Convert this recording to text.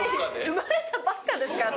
生まれたばっかですから。